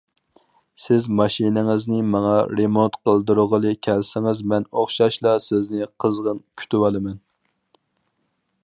سىز ماشىنىڭىزنى ماڭا رېمونت قىلدۇرغىلى كەلسىڭىز مەن ئوخشاشلا سىزنى قىزغىن كۈتۈۋالىمەن.